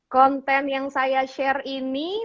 konten yang saya share ini